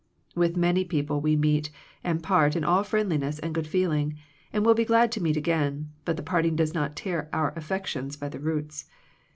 With many people we meet and part in all friendliness and good feeling, and will be glad to meet again, but the parting does not tear our affections by the roots.